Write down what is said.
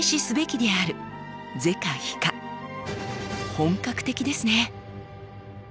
本格的ですね。